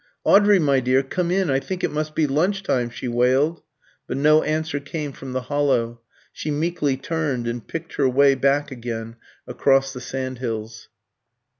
"Audrey, my dear, come in! I think it must be lunch time," she wailed. But no answer came from the hollow. She meekly turned, and picked her way back again across the sand hills.